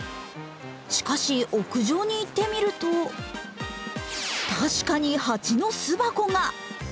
しかし、屋上に行ってみると確かに蜂の巣箱が。